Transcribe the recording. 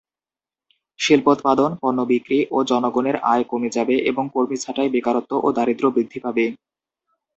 শিল্পোৎপাদন, পণ্য বিক্রি ও জনগণের আয় কমে যাবে এবং কর্মী ছাঁটাই, বেকারত্ব ও দারিদ্র্য বৃদ্ধি পাবে।